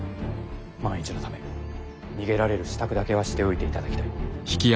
万一のため逃げられる支度だけはしておいていただきたい。